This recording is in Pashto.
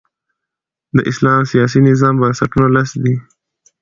د اسلام د سیاسي نظام بنسټونه لس دي.